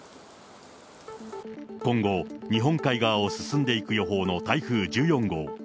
今後、日本海側を進んでいく予報の台風１４号。